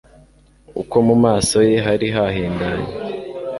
uko mu maso ye hari hahindanye